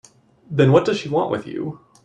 Then what does she want with you?